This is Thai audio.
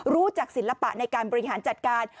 จากศิลปะในการบริหารจัดการ